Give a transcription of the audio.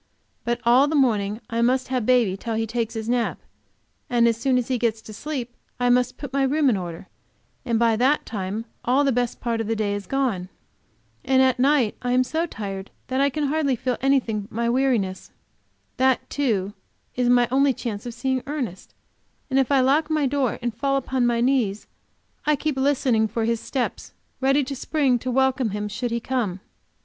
But all the morning, I must have baby till he takes his nap, and as soon as he gets to sleep I must put my room in order, and by that time all the best part of the day is gone. And at night I am so tired that I can hardly feel anything but my weariness. That, too, is my only chance of seeing Ernest and if I lock my door and fall upon my knees, I keep listening for his step, ready to spring to welcome should he come.